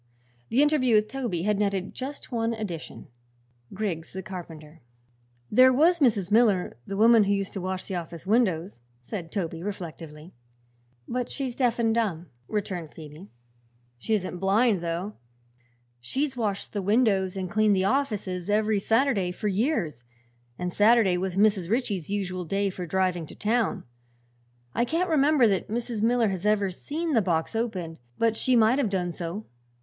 The interview with Toby had netted just one addition Griggs the carpenter. "There was Mrs. Miller, the woman who used to wash the office windows," said Toby reflectively. "But she's deaf and dumb," returned Phoebe. "She isn't blind, though. She's washed the windows and cleaned the offices every Saturday for years, and Saturday was Mrs. Ritchie's usual day for driving to town. I can't remember that Mrs. Miller has ever seen the box opened, but she might have done so."